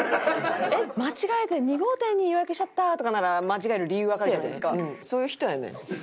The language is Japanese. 間違えて２号店に予約しちゃったとかなら間違える理由わかるじゃないですか。